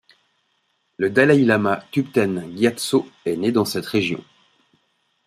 Le dalaï-lama Thubten Gyatso est né dans cette région.